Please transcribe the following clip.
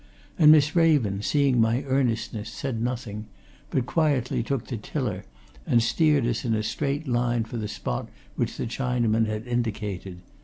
And Miss Raven, seeing my earnestness, said nothing, but quietly took the tiller and steered us in a straight line for the spot which the Chinaman had indicated.